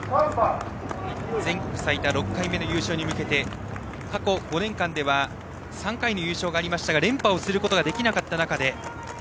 全国最多６回目の優勝に向けて過去５年間では３回の優勝がありましたが連覇をすることができなかった中で。